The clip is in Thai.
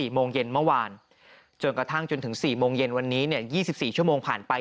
โมงเย็นเมื่อวานจนกระทั่งจนถึง๔โมงเย็นวันนี้๒๔ชั่วโมงผ่านไป